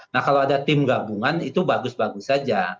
nah kalau ada tim gabungan itu bagus bagus saja